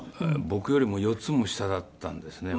僕よりも４つも下だったんですね。